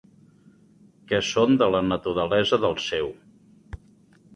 Que són de la naturalesa del sèu.